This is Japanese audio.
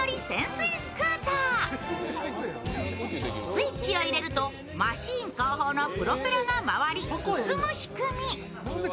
スイッチを入れるとマシン後方のプロペラが回り、進む仕組み。